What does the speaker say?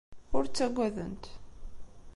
Ur ttagadent.